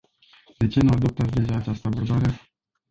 De ce nu adoptați deja această abordare?